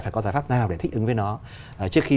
phải có giải pháp nào để thích ứng với nó trước khi